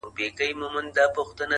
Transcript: د کسمیر لوري د کابل او د ګواه لوري ـ